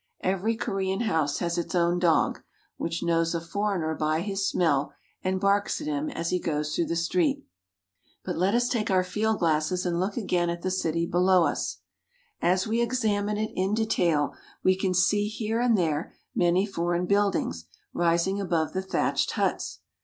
Every Korean house has its own dog, which knows a foreigner by his smell and barks at him as he goes through the street. But let us take our field glasses and look again at the BUSINESS AMONG THE KOREANS ^o,i city below us. As we examine it in detail, we can see here and there many foreign buildings rising above the thatched huts.